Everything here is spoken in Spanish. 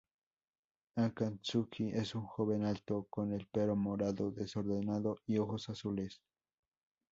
Akatsuki es un joven alto, con el pelo morado desordenado y ojos azules.